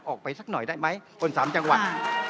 ออกไปสักหน่อยได้ไหมคนสามจังหวัด